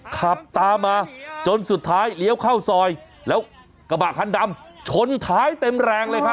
ขับตามมาจนสุดท้ายเลี้ยวเข้าซอยแล้วกระบะคันดำชนท้ายเต็มแรงเลยครับ